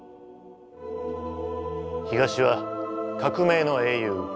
東は「革命の英雄」。